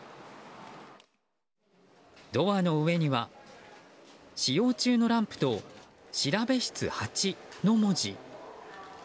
ドアの上には使用中のランプと「調室８」の文字。